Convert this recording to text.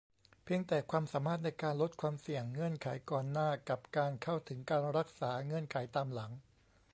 เพียงแต่ "ความสามารถในการลดความเสี่ยง" เงื่อนไขก่อนหน้า กับ "การเข้าถึงการรักษา" เงื่อนไขตามหลัง